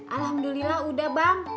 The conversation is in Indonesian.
alhamdulillah udah bang